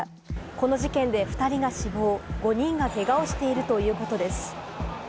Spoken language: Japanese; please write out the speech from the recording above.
この事件で２人が死亡、５人がけがをしているということです。